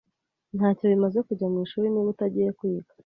Ntacyo bimaze kujya mwishuri niba utagiye kwiga.